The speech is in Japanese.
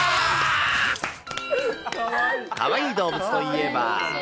かわいい動物といえば。